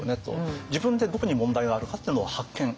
自分でどこに問題があるのかってのを発見。